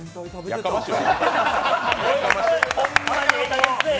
やかましい！